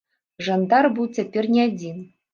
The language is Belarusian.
Жандар быў цяпер не адзін.